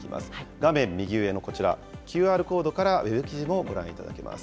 画面右上のこちら、ＱＲコードからウェブ記事もご覧いただけます。